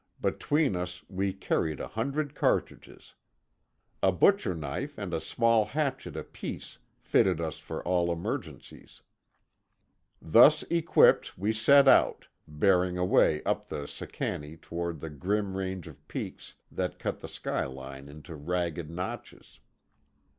Between us we carried a hundred cartridges. A butcher knife and a small hatchet apiece fitted us for all emergencies. Thus equipped we set out, bearing away up the Sicannie toward the grim range of peaks that cut the skyline into ragged notches.